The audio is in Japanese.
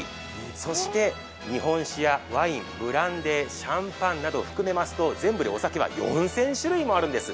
そして日本酒やワインブランデー、シャンパンなどを含めますと全部でお酒は４０００種類あるんです。